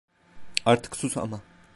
Artık sus ama…